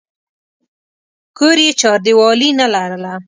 کور یې چاردیوالي نه لرله.